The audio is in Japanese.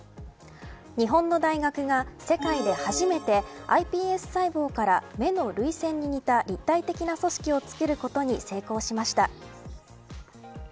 ＳＮＳ、７位日本の大学が世界で初めてｉＰＳ細胞から目の涙腺に似た立体的な組織をつけることに成功しました。